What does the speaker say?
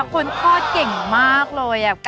คนคลอดเก่งมากเลย